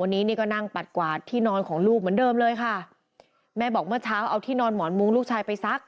วันนี้นี่ก็นั่งปัดกวาดที่นอนของลูกเหมือนเดิมเลยค่ะแม่บอกเมื่อเช้าเอาที่นอนหมอนมุ้งลูกชายไปซัก